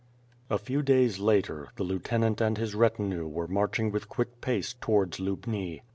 A few days later, the Lieutenant and his retinue were marching with quick pace towards Lubni.